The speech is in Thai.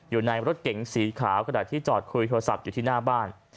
อยู่ในรถเก๋งสีขาวกระดาษที่จอดคุยโทรศัพท์อยู่ที่หน้าบ้าน